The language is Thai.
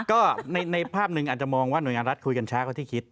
ก็ในภาพหนึ่งอาจจะมองว่าหน่วยงานรัฐคุยกันช้ากว่าที่คิด